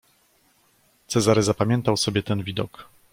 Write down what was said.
Cezary zapamiętał sobie ten widok.